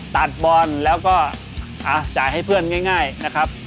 ตัดบอลแล้วก็จ่ายให้เพื่อนง่ายนะครับ